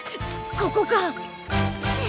ここか！